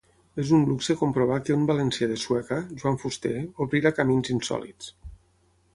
És un luxe comprovar que un valencià de Sueca, Joan Fuster, obrira camins insòlits.